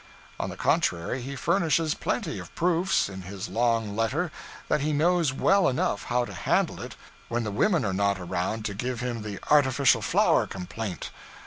On the contrary, he furnishes plenty of proofs, in his long letter, that he knows well enough how to handle it when the women are not around to give him the artificial flower complaint.